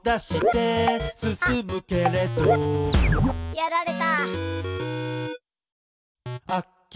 やられた。